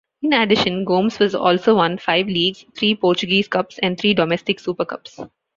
In addition, Gomes also won five leagues, three Portuguese Cups and three domestic supercups.